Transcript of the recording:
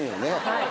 はい。